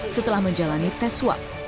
setelah menjalani tes swab